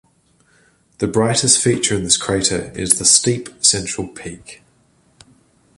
The brightest feature of this crater is the steep central peak.